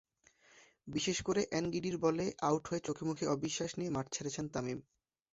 বিশেষ করে এনগিডির বলে আউট হয়ে চোখেমুখে অবিশ্বাস নিয়ে মাঠ ছেড়েছেন তামিম।